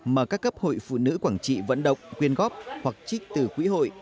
mà các cấp hội phụ nữ quảng trị vận động quyên góp hoặc trích từ quỹ hội